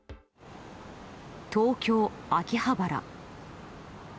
東京・秋葉原。